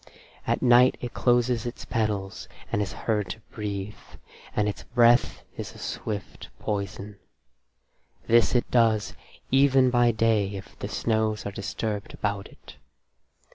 At night it closes its petals and is heard to breathe, and its breath is a swift poison. This it does even by day if the snows are disturbed about it.